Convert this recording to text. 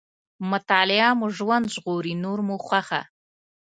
مطالعه مو ژوند ژغوري، نور مو خوښه.